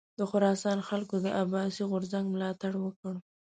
د خراسان خلکو د عباسي غورځنګ ملاتړ وکړ.